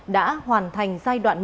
đã hoàn thành giai đoạn một